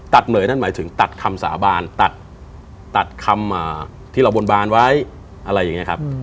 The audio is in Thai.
เหนื่อยนั่นหมายถึงตัดคำสาบานตัดคำที่เราบนบานไว้อะไรอย่างนี้ครับ